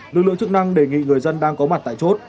lực lượng chức năng đề nghị người dân đang có mặt tại chốt